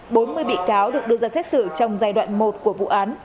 bốn mươi bị cáo được đưa ra xét xử trong giai đoạn một của vụ án